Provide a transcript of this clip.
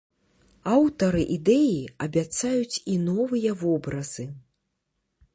Аўтары ідэі абяцаюць і новыя вобразы.